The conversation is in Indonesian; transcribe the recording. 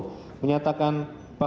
atau bidang pekerjaan tertentu